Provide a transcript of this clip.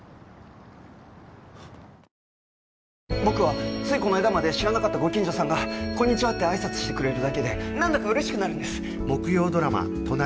僕はついこの間まで知らなかったご近所さんがこんにちはって挨拶してくれるだけでなんだか嬉しくなるんです！